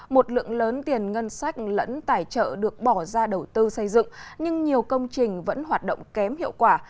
một lượng lớn tiền ngân sách lẫn tài trợ được bỏ ra đầu tư xây dựng nhưng nhiều công trình vẫn hoạt động kém hiệu quả